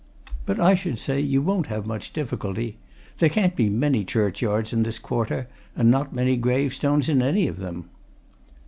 "But I should say you won't have much difficulty. There can't be many churchyards in this quarter, and not many gravestones in any of them."